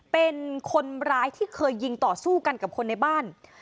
เป็นคนร้ายที่เคยยิงต่อสู้กันกับคนในบ้าน